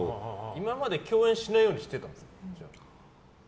今まで共演しないようにしてたんですか。